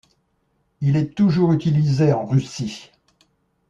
Il est toujours utilisé en Russie.